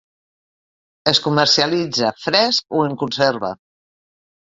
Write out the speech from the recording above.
Es comercialitza fresc o en conserva.